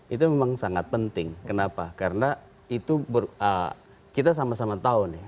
itu memang sangat penting kenapa karena itu kita sama sama tahu nih